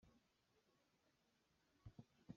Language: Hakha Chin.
Ram a vai.